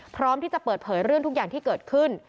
พร้อมที่จะเปิดเผยเรื่องทุกอย่างที่เกิดขึ้น